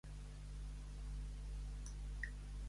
Xerta alerta, figa oberta!